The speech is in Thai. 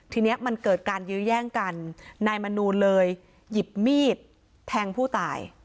ทีนี้มันเกิดการยื้อแย่งกันนายมนูลเลยหยิบมีดแทงผู้ตาย